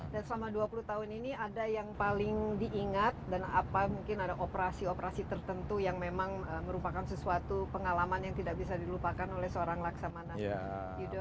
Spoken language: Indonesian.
dan selama dua puluh tahun ini ada yang paling diingat dan apa mungkin ada operasi operasi tertentu yang memang merupakan sesuatu pengalaman yang tidak bisa dilupakan oleh seorang laksamana